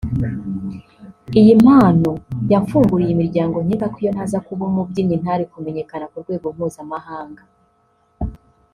iyi mpano yamfunguriye imiryango nkeka ko iyo ntaza kuba umubyinnyi ntari kumenyekana ku rwego mpuzamahanga